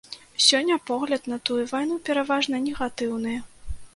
Сёння погляд на тую вайну пераважна негатыўны.